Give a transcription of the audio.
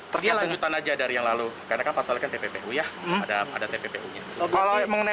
pergi lanjutkan aja dari yang lalu karena kan pasal kan tppu ya ada tppu nya